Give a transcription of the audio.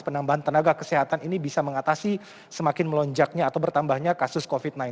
penambahan tenaga kesehatan ini bisa mengatasi semakin melonjaknya atau bertambahnya kasus covid sembilan belas